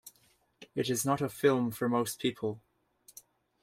It is not a film for most people.